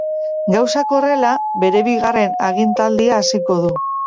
Gauzak horrela, bere bigarren agintaldia hasiko du.